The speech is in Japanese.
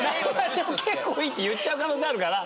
「結構いい」って言っちゃう可能性あるから。